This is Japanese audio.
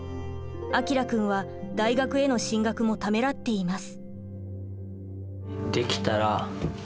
彰くんは大学への進学もためらっています。